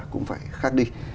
cũng phải khác đi